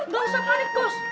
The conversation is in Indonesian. gak usah panik bos